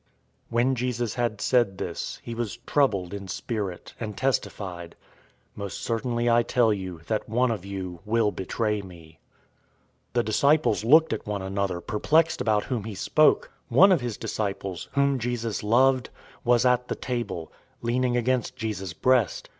013:021 When Jesus had said this, he was troubled in spirit, and testified, "Most certainly I tell you that one of you will betray me." 013:022 The disciples looked at one another, perplexed about whom he spoke. 013:023 One of his disciples, whom Jesus loved, was at the table, leaning against Jesus' breast.